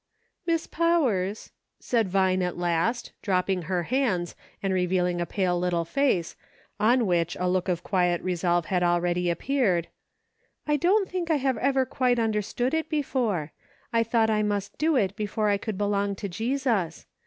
"Miss Powers," said Vine at last, dropping her hands and revealing a pale little face, on which a look of quiet resolve had already appeared, " I don't think I have ever quite understood it before ; I thought I must do it before I could belong to Jesus.